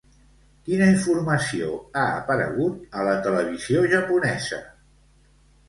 Quina informació ha aparegut a la televisió japonesa?